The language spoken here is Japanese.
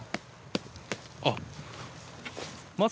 あっ！